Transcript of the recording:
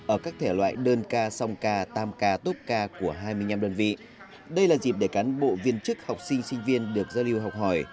ở các thể loại đơn ca song ca tam ca tốt ca của hai mươi năm đơn vị đây là dịp để cán bộ viên chức học sinh sinh viên được giao lưu học hỏi